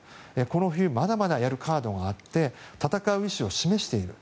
この冬まだまだやるカードがあって戦う意思を示している。